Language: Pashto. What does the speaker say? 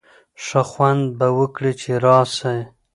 ښه خوند به وکړي چي راسی.